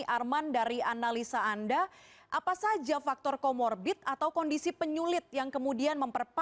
arman dari analisa anda apa saja faktor comorbid atau kondisi penyulit yang kemudian memperbaiki